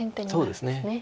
そうですね。